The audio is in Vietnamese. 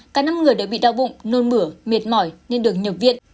cả năm người đã bị đau bụng nôn mửa miệt mỏi nên được nhập viện